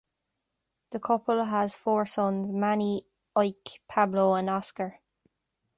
The couple has four sons, Manny, Ike, Pablo, and Oscar.